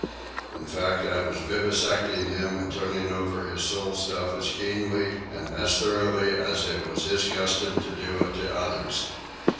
In fact, I was vivisecting him and turning over his soul stuff as keenly and thoroughly as it was his custom to do it to others.